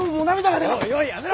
もうよいやめろ！